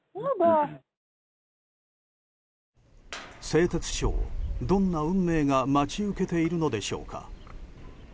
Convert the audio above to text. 製鉄所を、どんな運命が待ち受けているのでしょうか。